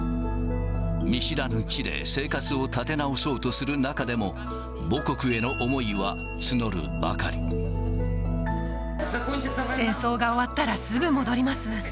見知らぬ地で生活を立て直そうとする中でも、母国への思いは募る戦争が終わったら、すぐ戻ります。